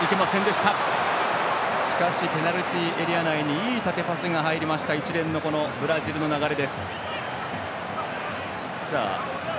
しかしペナルティーエリア内にいい縦パスが入りました一連のブラジルの流れ。